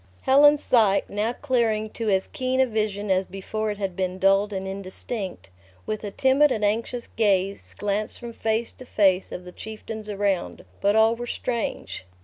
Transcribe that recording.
Helen's sight, now clearing to as keen a vision as before it had been dulled and indistinct, with a timid and anxious gaze glanced from face to face of the chieftains around; but all were strange.